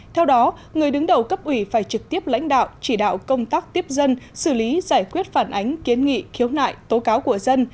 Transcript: theo đó người đứng đầu cấp ủy phải trực tiếp lãnh đạo chỉ đạo công tác tiếp dân xử lý giải quyết phản ánh kiến nghị khiếu nại tố cáo của dân